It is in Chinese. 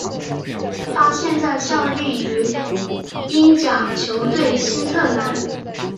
他现在效力于英甲球队新特兰。